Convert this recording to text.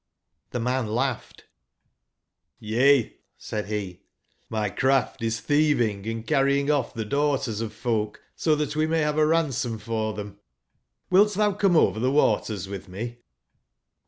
n6 man laughed: '*Y^^t" said he, ''my craft is thieving and carrying ofl^ the daughters of folk, so that we may have a ransom for i them, ^ilt thou come over the waters with me?"